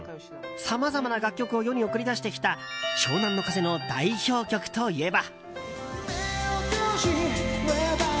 さまざまな楽曲を世に送り出してきた湘南乃風の代表曲といえば。